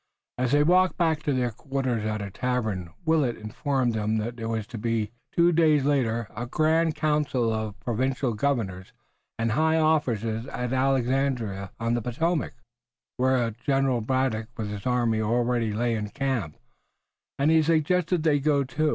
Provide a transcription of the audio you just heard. As they walked back to their quarters at a tavern Willet informed them that there was to be, two days later, a grand council of provincial governors and high officers at Alexandria on the Potomac, where General Braddock with his army already lay in camp, and he suggested that they go too.